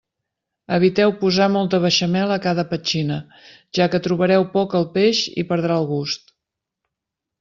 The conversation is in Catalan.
Eviteu posar molta beixamel a cada petxina, ja que trobareu poc el peix i perdrà el gust.